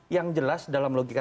yang jelas dalam logika